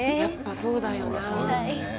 そうだよな。